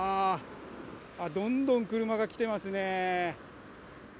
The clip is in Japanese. どんどん車が来てますね。